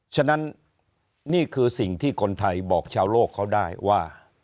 ฉะนั้นนี่คือสิ่งที่คนไทยบอกชาวโลกเขาได้ว่า